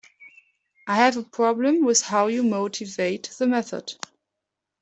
I have a problem with how you motivate the method.